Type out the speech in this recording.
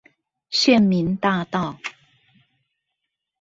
縣民大道